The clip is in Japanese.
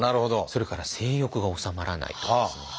それから性欲が収まらないとかですね